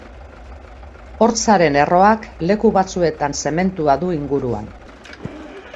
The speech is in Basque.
Hortzaren erroak leku batzuetan zementua du inguruan.